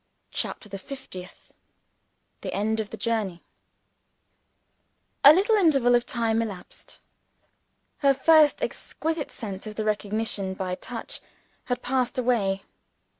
CHAPTER THE FIFTIETH The End of the Journey A LITTLE interval of time elapsed. Her first exquisite sense of the recognition by touch had passed away.